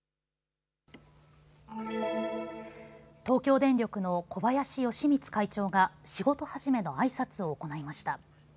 東京電力の小林喜光会長が仕事始めのあいさつを行いました。